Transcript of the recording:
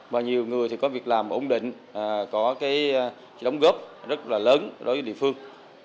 và nhiều người thì có việc làm ổn định có cái đóng góp rất là lớn đối với địa phương